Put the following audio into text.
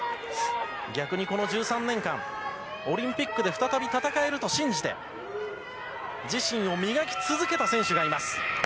逆にこの１３年間、オリンピックで再び戦えると信じて、自身を磨き続けた選手がいます。